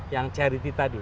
yang charity tadi